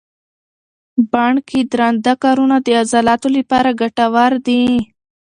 بڼ کې درانده کارونه د عضلاتو لپاره ګټور دي.